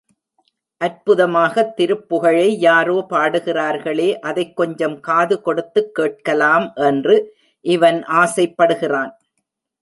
அற்புதமாகத் திருப்புகழை யாரோ பாடுகிறார்களே அதைக் கொஞ்சம் காது கொடுத்துக் கேட்கலாம் என்று இவன் ஆசைப்படுகிறான்.